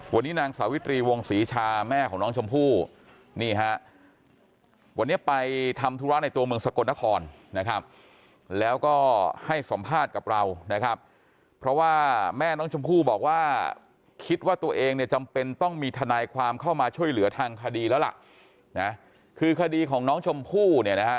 วันนี้นางสาวิตรีวงศรีชาแม่ของน้องชมภู